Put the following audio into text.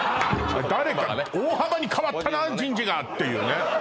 誰か大幅に変わったな人事がっていうね